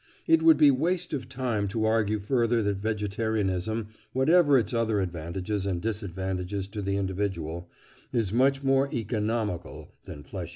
It would be waste of time to argue further that vegetarianism, whatever its other advantages and disadvantages to the individual, is much more economical than flesh eating.